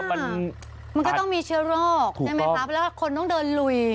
มันก็ต้องมีเชื้อโรคแล้วคนต้องเดินลุย